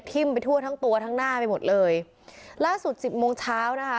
ไปทั่วทั้งตัวทั้งหน้าไปหมดเลยล่าสุดสิบโมงเช้านะคะ